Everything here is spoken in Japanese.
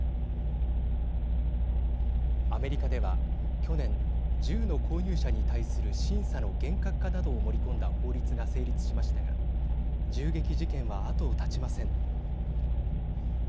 アメリカでは去年銃の購入者に対する審査の厳格化などを盛り込んだ法律が成立しましたが銃撃事件は後を絶ちません。